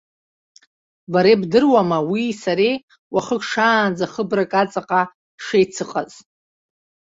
Бара ибдыруама, уии сареи уахык шаанӡа хыбрак аҵаҟа ҳшеицыҟаз?!